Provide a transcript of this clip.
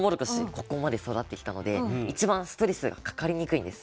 ここまで育ってきたので一番ストレスがかかりにくいんです